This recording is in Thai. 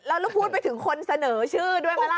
แล้วพูดไปถึงคนเสนอชื่อด้วยมั้ยล่ะ